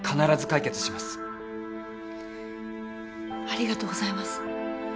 ありがとうございます。